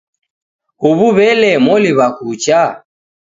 Huw'u w'ele moliw'a kucha